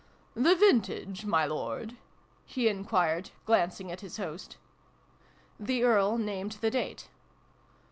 "The vintage, my Lord ?" he enquired, glancing at his host. The Earl named the date.